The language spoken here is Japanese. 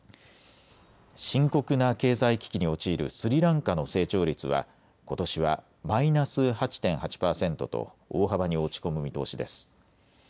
深刻な経済危機に陥るスリランカの成長率はことしはマイナス８．８％と大幅に落ち込む見通しです。